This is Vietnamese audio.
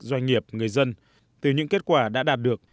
doanh nghiệp người dân từ những kết quả đã đạt được